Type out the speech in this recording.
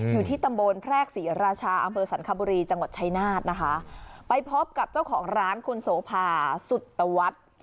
อยู่ที่ตำบลแพรกศรีราชาอำเภอสันคบุรีจังหวัดชายนาฏนะคะไปพบกับเจ้าของร้านคุณโสภาสุตวัฒน์